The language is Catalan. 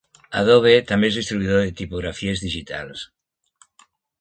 Adobe també és distribuïdor de tipografies digitals.